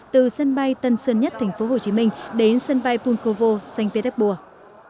từ sân bay tân sơn nhất tp hcm đến sân bay punkovo xanh petersburg